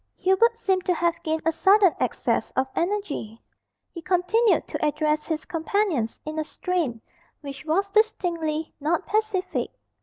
Hubert seemed to have gained a sudden access of energy. He continued to address his companions in a strain which was distinctly not pacific.